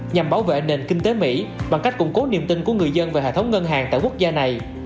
nhằm bảo vệ nền kinh tế mỹ bằng cách củng cố niềm tin của người dân về hệ thống ngân hàng tại quốc gia này